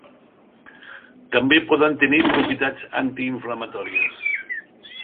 També poden tenir propietats antiinflamatòries.